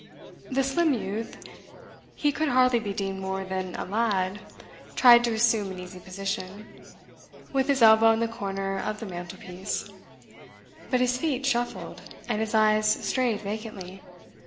The slim youth he could hardly be deemed more than a lad tried to assume an easy position, with his elbow on the corner of the mantelpiece; but his feet shuffled, and his eyes strayed vacantly.